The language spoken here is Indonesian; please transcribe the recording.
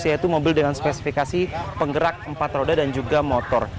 yaitu mobil dengan spesifikasi penggerak empat roda dan juga motor